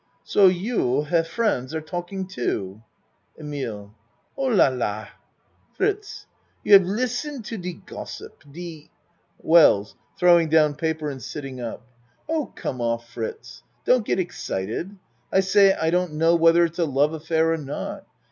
So you her friends are talking too. EMILE Oh la la ! FRITZ You have listened to de gossip, de WELLS (Throwing down paper and sitting up.) Oh, come off Fritz. Don't get excited. I say I don't know whether it's a love affair or not.